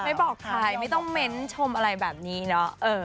ไม่บอกใครไม่ต้องเม้นชมอะไรแบบนี้เนาะ